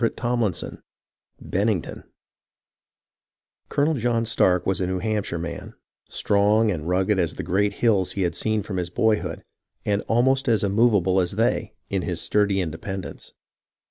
CHAPTER XX BENNINGTON Colonel John Stark was a New Hampshire man, strong and rugged as the great hills he had seen from his boyhood, and almost as immovable as they in his sturdy independence.